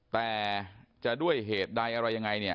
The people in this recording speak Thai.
แต่จะด้วยเหตุใดอะไรยังไงเนี่ย